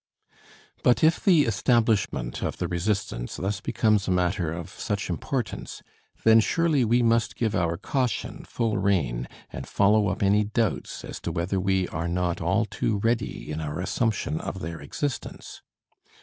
But if the establishment of the resistance thus becomes a matter of such importance, then surely we must give our caution full rein, and follow up any doubts as to whether we are not all too ready in our assumption of their existence.